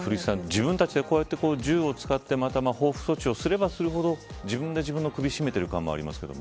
自分たちでこうやって銃を使って報復措置をすればするほど自分で自分の首を絞めてる感もありますけど。